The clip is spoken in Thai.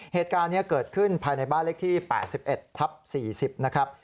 เหตุการณ์นี้เกิดขึ้นภายในบ้านเลขที่๘๑ทับ๔๐นะครับ